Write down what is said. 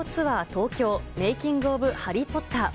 東京メイキング・オブ・ハリー・ポッター。